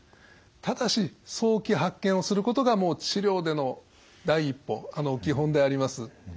ただし早期発見をすることが治療での第一歩基本であります。